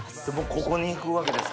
ここにいくわけですか。